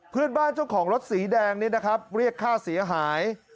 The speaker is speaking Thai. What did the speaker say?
เจ้าของรถสีแดงนี้นะครับเรียกค่าเสียหาย